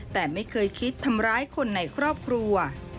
แต่ไม่เคยคิดทำร้ายคนในครอบครัว